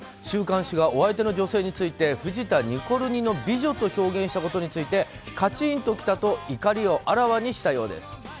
週刊誌がお相手の女性について藤田ニコル似の美女と表現したことについてカチーンときたと怒りをあらわにしたようです。